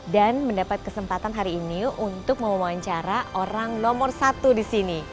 dan mendapat kesempatan hari ini untuk memuancara orang nomor satu disini